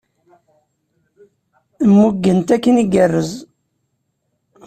Mmugen-t akken igerrez.